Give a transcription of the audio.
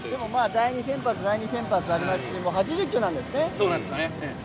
第１先発、第２先発もありますし８０球なんですよね。